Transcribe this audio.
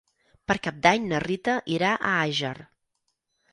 Per Cap d'Any na Rita irà a Àger.